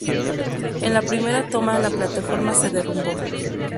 En la primera toma, la plataforma se derrumbó.